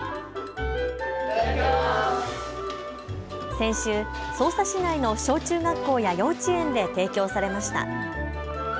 先週、匝瑳市内の小中学校や幼稚園で提供されました。